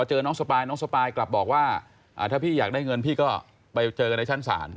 เจอน้องสปายน้องสปายกลับบอกว่าถ้าพี่อยากได้เงินพี่ก็ไปเจอกันในชั้นศาล